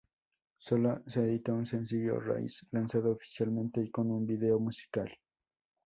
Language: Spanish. Sólo se editó un sencillo, "Rise", lanzado oficialmente y con un video musical.